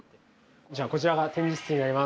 じゃあこちらが展示室になります。